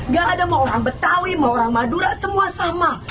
gak ada mau orang betawi mau orang madura semua sama